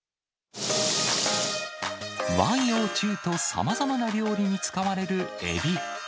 和洋中とさまざまな料理に使われるエビ。